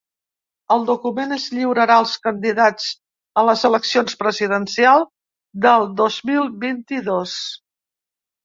El document es lliurarà als candidats a les eleccions presidencials del dos mil vint-i-dos.